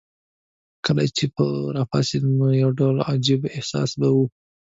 کله چې به راپاڅېدې نو یو ډول عجیب احساس به وو.